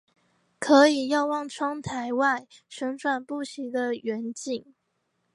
可以眺望窗外旋轉不息的遠景